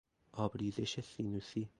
آبریزش سینوسی